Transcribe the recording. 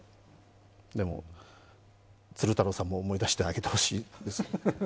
でも、鶴太郎さんも思い出してあげてほしい。